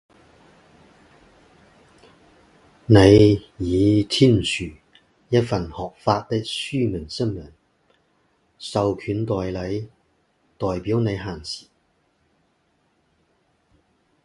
您已签署一份合法的书面声明，授权代理代表您行事。